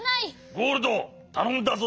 ゴールドたのんだぞ。